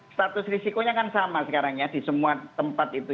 status risikonya kan sama sekarang ya di semua tempat itu